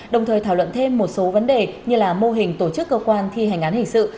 đồng thời thảo luận thêm một số vấn đề như là mô hình tổ chức cơ quan thi hành án hình sự